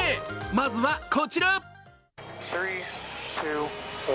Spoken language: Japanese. まずはこちら。